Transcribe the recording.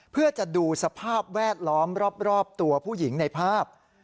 เพื่อจะดูสภาพแวดล้อมรอบตัวผู้หญิงในภาพ